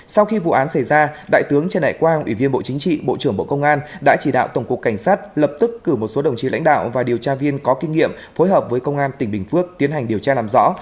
sau khi vụ án xảy ra đại tướng trần đại quang ủy viên bộ chính trị bộ trưởng bộ công an đã chỉ đạo tổng cục cảnh sát lập tức cử một số đồng chí lãnh đạo và điều tra viên có kinh nghiệm phối hợp với công an tỉnh bình phước tiến hành điều tra làm rõ